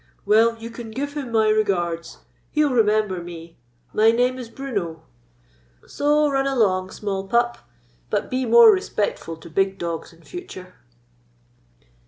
" Well, you can give him my regards. He 11 remember me. My name is Bruno. So, run along, small pup, but be more respectful to big dogs in future."